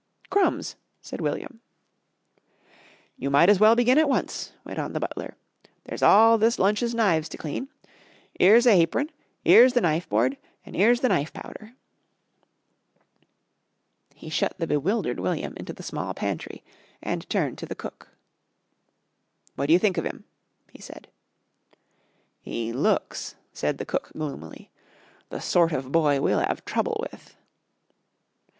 "Crumbs!" said William. "You might has well begin at once," went on the butler, "there's all this lunch's knives to clean. 'Ere's a hapron, 'ere's the knife board an' 'ere's the knife powder." He shut the bewildered William into the small pantry and turned to the cook. "What do you think of 'im?" he said. "'E looks," said the cook gloomily, "the sort of boy we'll 'ave trouble with."